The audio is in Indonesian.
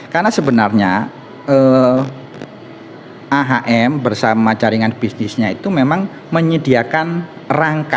karena sebenarnya ahm bersama jaringan bisnisnya itu memang menyediakan rangka